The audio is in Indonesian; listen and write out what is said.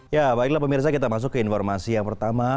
ya baiklah pemirsa kita masuk ke informasi yang pertama